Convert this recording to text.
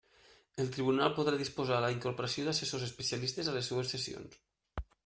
El tribunal podrà disposar la incorporació d'assessors especialistes a les seues sessions.